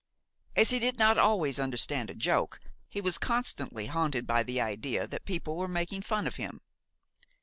As he did not always understand a joke, he was constantly haunted by the idea that people were making fun of him.